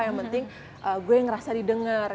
yang penting gue ngerasa didengar